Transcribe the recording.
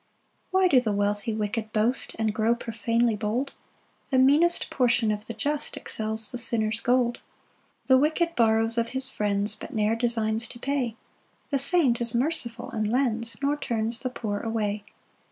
1 Why do the wealthy wicked boast, And grow profanely bold? The meanest portion of the just Excels the sinner's gold. 2 The wicked borrows of his friends, But ne'er designs to pay; The saint is merciful and lends, Nor turns the poor away.